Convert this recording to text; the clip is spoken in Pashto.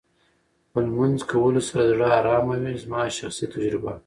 په لمونځ کولو سره زړه ارامه وې زما شخصي تجربه